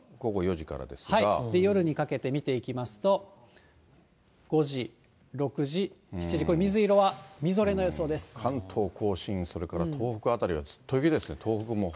夜にかけて見ていきますと、５時、６時、７時、関東甲信、それから東北辺りはずっと雪ですね。